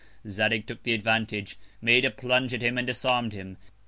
Zadig took the Advantage, made a Plunge at him, and disarm'd him.